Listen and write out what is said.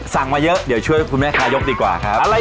สั่งมีเยอะแล้วช่วยคุณแม่คายกดีกว่า